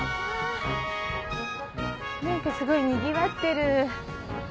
何かすごいにぎわってる。